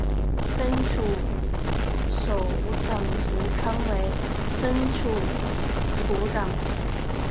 分处首长职称为分处处长。